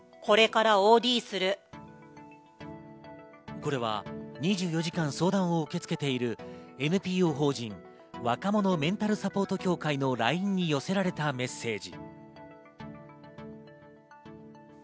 これは２４時間相談を受け付けているＮＰＯ法人若者メンタルサポート協会のＬＩＮＥに寄せられたメッセージ。